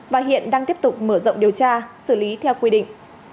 và hiện đang tiếp tục mở rộng điều tra xử lý theo quy định